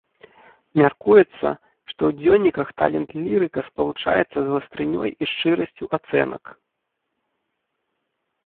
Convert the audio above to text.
Мяркуецца, што ў дзённіках талент лірыка спалучаецца з вастрынёй і шчырасцю ацэнак.